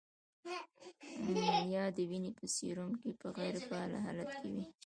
یا د وینې په سیروم کې په غیر فعال حالت کې وي.